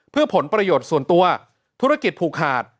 เพื่อผลประโยชน์ส่วนตัวธุรกิจผูกขาด